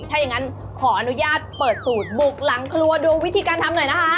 ถ้าอย่างนั้นขออนุญาตเปิดสูตรบุกหลังครัวดูวิธีการทำหน่อยนะคะ